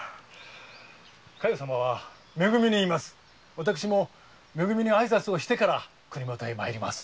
私も「め組」に挨拶をしてから国もとへ参ります。